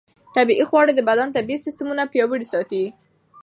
سالم خواړه د بدن طبیعي سیستمونه پیاوړي ساتي.